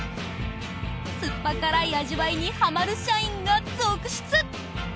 すっぱ辛い味わいにはまる社員が続出。